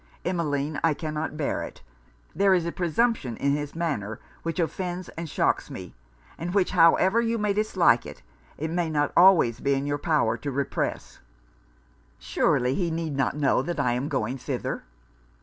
Emmeline, I cannot bear it! there is a presumption in his manner, which offends and shocks me; and which, however you may dislike it, it may not always be in your power to repress!' 'Surely he need not know that I am going thither.'